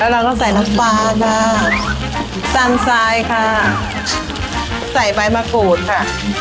แล้วเราก็ใส่น้ำปลาค่ะซันซายค่ะใส่ใบมะกรูดค่ะ